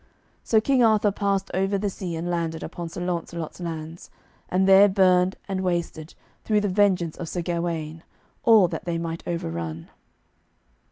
So King Arthur passed over the sea, and landed upon Sir Launcelot's lands, and there burned and wasted, through the vengeance of Sir Gawaine, all that they might overrun.